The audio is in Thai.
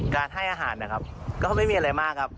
ให้อาหารนะครับก็ไม่มีอะไรมากครับ